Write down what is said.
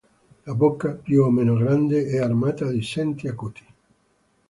La bocca, più o meno grande, è armata di senti acuti.